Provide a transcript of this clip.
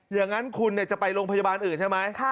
อย่างนั้นคุณจะไปโรงพยาบาลอื่นใช่ไหม